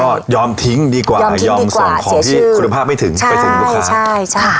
ก็ยอมทิ้งดีกว่ายอมส่งของที่คุณภาพไม่ถึงไปถึงลูกค้าใช่ใช่